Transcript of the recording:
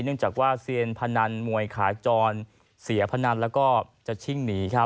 เนื่องจากว่าเซียนพนันมวยขาจรเสียพนันแล้วก็จะชิ่งหนีครับ